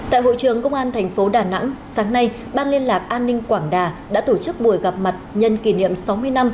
tại hội trưởng công an tp đà nẵng sáng nay ban liên lạc an ninh quảng đà đã tổ chức buổi gặp mặt nhân kỷ niệm sáu mươi năm